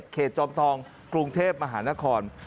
จอมทองกรุงเทพมหานคร